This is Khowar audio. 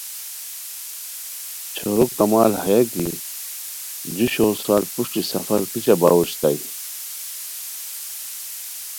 چھورو کمال ہیہ کی جُو شور سال پروشٹی سفر کیچہ باؤ اوشتائے